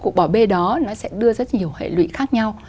cuộc bỏ bê đó nó sẽ đưa rất nhiều hệ lụy khác nhau